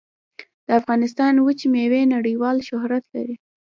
د افغانستان وچې میوې نړیوال شهرت لري